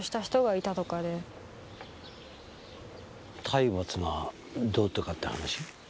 体罰がどうとかって話？